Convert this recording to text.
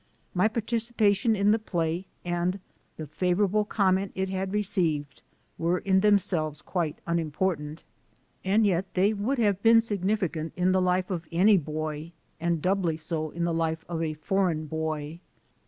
My participation in the play and the favorable comment it had received were in them selves quite unimportant. And yet they would have been significant in the life of any boy, and doubly so in the life of a foreign boy.